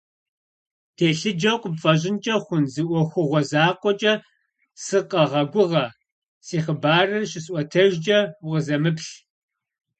Телъыджэу къыпфӀэщӀынкӀэ хъун зы Ӏуэхугъуэ закъуэкӀэ сыкъэгъэгугъэ - си хъыбарыр щысӀуэтэжкӀэ укъызэмыплъ.